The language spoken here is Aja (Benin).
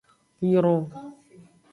Nyron.